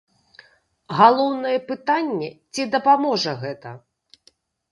Галоўнае пытанне, ці дапаможа гэта?